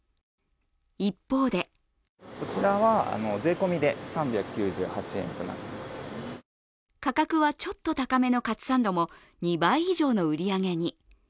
一方で価格はちょっと高めのカツサンドも２倍以上の売り上げに。